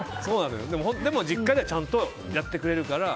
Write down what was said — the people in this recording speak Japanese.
でも、実家ではちゃんとやってくれるから。